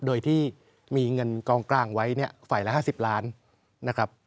โดยที่มีเงินกองกลางไว้เนี่ยฝ่ายละ๕๐ล้านนะครับ